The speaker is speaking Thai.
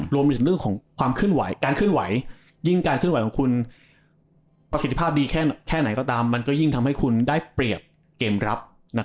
รวมจากเรื่องของการขึ้นไหวยิ่งการขึ้นไหวของคุณประสิทธิภาพดีแค่ไหนก็ตามมันก็ยิ่งทำให้คุณได้เปรียบเกมรับ